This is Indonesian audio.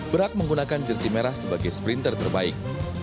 berak menggunakan jersi merah sebagai sprinter terbaik